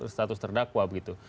status terdakwa begitu